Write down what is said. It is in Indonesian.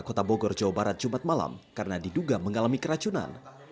kota bogor jawa barat jumat malam karena diduga mengalami keracunan